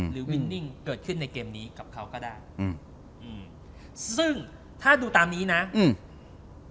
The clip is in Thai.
วินนิ่งเกิดขึ้นในเกมนี้กับเขาก็ได้อืมอืมซึ่งถ้าดูตามนี้นะอืม